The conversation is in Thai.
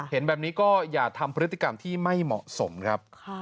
เห็นแบบนี้ก็อย่าทำพฤติกรรมที่ไม่เหมาะสมครับ